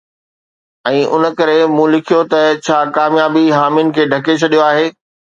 ۽ ان ڪري مون لکيو ته ”ڇا ڪاميابي خامين کي ڍڪي ڇڏيو آهي؟